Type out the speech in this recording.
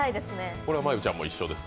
これは真悠ちゃんも一緒ですか。